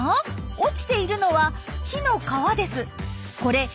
落ちているのは木の皮です。